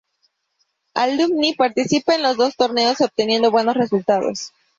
Alumni participa en los dos torneos obteniendo buenos resultados.